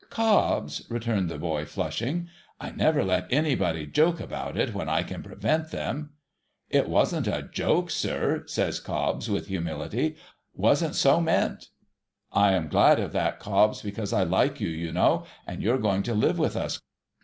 ' Cobbs,' returned the boy, flushing, ' I never let anybody joke about it, when I can prevent them.' ' It wasn't a joke, sir,' says Cobbs, with humility, —' wasn't so meant.' ' I am glad of that, Cobbs, because I like you, you know, and you're going to live with us.